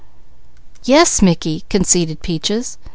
"Yes Mickey," conceded Peaches.